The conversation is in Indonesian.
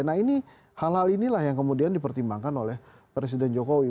nah ini hal hal inilah yang kemudian dipertimbangkan oleh presiden jokowi